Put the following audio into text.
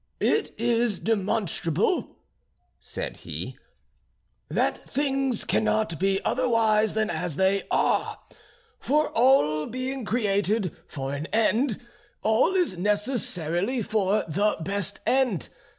"It is demonstrable," said he, "that things cannot be otherwise than as they are; for all being created for an end, all is necessarily for the best end.